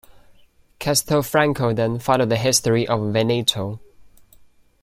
Castelfranco then followed the history of Veneto.